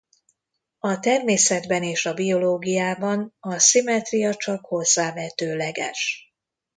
A természetben és a biológiában a szimmetria csak hozzávetőleges.